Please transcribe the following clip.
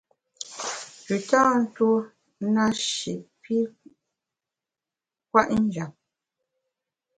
Pü tâ ntuo na shi pi kwet njap.